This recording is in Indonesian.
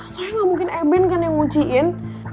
soalnya gak mungkin ebin kan yang ngunciin